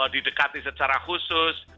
didekati secara khusus